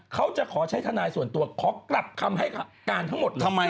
เขาจะขอใช้ทานายส่วนตัวเขากลับคำให้กันทำไม